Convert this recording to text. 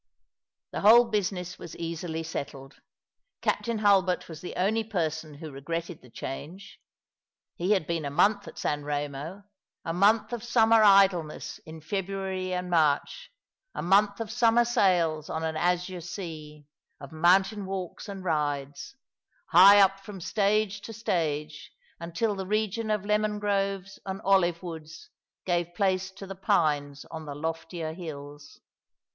The whole business was easily settled. Captain Hulbert was the only person who regretted the change. He had been a month at San Remo, a month of summer idleness in February and March, a month of summer sails on an azure sea; of mountain walks and rides, high up from stage to Btnge^ until the region of lemon groves and olive woods gave place to the pines on the loftier hills.